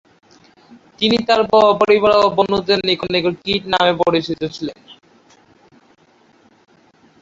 তিনি তার পরিবার ও বন্ধুদের নিকট 'কিট' নামে পরিচিত ছিলেন।